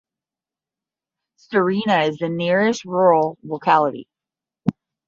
Starina is the nearest rural locality.